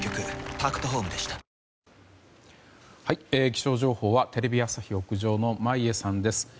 気象情報はテレビ朝日屋上の眞家さんです。